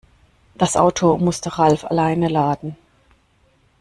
Das Auto musste Ralf alleine laden.